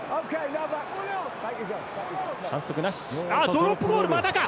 ドロップゴール、またか！